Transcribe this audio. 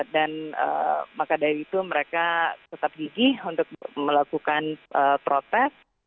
dan maka dari itu mereka tetap gigih untuk melakukan protes